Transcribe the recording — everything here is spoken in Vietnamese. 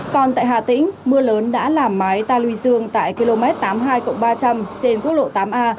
còn tại hà tĩnh mưa lớn đã làm mái ta lùi dương tại km tám mươi hai ba trăm linh trên quốc lộ tám a